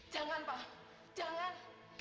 jangan pa jangan